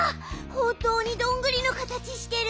ほんとうにどんぐりのかたちしてる！